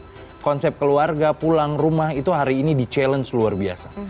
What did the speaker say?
karena konsep keluarga pulang rumah itu hari ini di challenge luar biasa